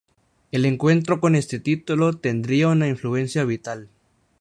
El encuentro con este título tendría una influencia vital.